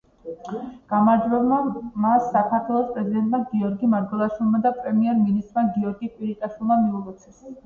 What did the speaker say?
გამარჯვება მას საქართველოს პრეზიდენტმა გიორგი მარგველაშვილმა და პრემიერ-მინისტრმა გიორგი კვირიკაშვილმა მიულოცეს.